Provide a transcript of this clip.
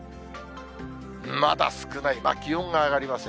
まだ少ない、気温が上がりません。